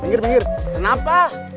pinggir pinggir kenapa